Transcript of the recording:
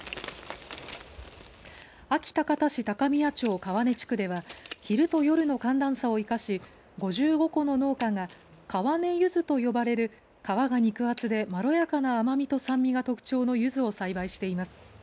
安芸高田市高宮町川根地区では昼と夜の寒暖差を生かし５５戸の農家が川根柚子と呼ばれる皮が肉厚でまろやかな甘みと酸味が特徴のゆずを栽培しています。